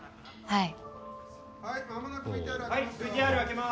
はい。